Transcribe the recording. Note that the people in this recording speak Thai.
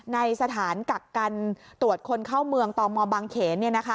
ในสถานกักกันตรวจคนเข้าเมืองตมบางเขน